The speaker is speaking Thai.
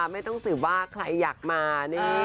ไม่ต้องสืบว่าใครอยากมา